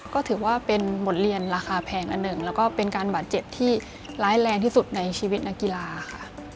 ก็ถือว่าเป็นบทเรียนราคาแพงอันหนึ่งแล้วก็เป็นการบาดเจ็บที่ร้ายแรงที่สุดในชีวิตนักกีฬาค่ะ